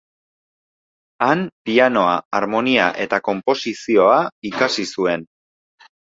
Han pianoa, harmonia eta konposizioa ikasi zuen.